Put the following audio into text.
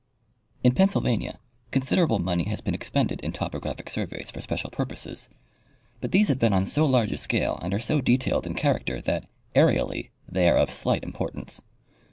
— In Pennsylvania considerable money has been expended in topographic surveys for special purposes, but these have been on so large a scale and are so detailed in character that, areally, they are of slight importance.